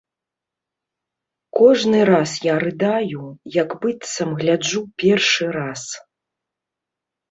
Кожны раз я рыдаю, як быццам гляджу першы раз.